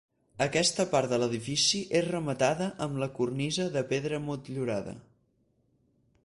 Aquesta part de l'edifici és rematada amb la cornisa de pedra motllurada.